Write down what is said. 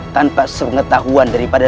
tanpa sengetahuan daripada